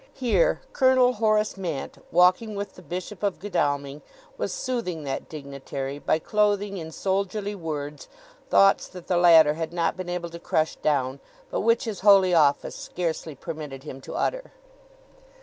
Here, Colonel Horace Mant, walking with the Bishop of Godalming, was soothing that dignitary by clothing in soldierly words thoughts that the latter had not been able to crush down, but which his holy office scarcely permitted him to utter.